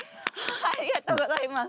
ありがとうございます。